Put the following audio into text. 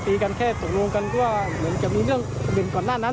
ตีกันแค่ตกลงกันเพราะว่าเหมือนจะมีเรื่องเป็นก่อนหน้านั้น